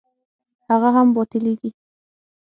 هغه هم باطلېږي.